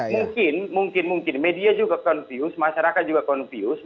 mungkin mungkin mungkin media juga confused masyarakat juga confused